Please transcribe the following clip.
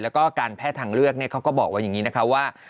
แล้วก็การแพทย์ทางเลือกเขาก็บอกว่าอย่างนี้นะคะว่า